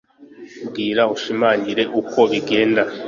Bwira ushimangire uko bigenda: